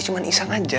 cuman iseng aja